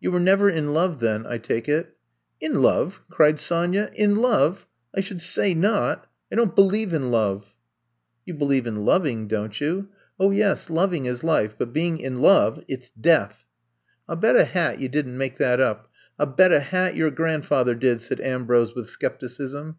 You were never in love then, I take it.'* In love! cried Sonya. *^In lovel I should say not! I don't believe in love! You believe in loving, don't youf yes ; loving is life. But being in love ^it*s death. I *11 bet a hat you did n *t make that up I I '11 bet a hat your grandfather did !'* said Ambrose with skepticism.